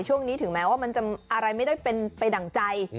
ถึงแม้ว่ามันจะอะไรไม่ได้เป็นไปดั่งใจ